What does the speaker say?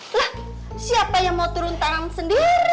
lah siapa yang mau turun tangan sendiri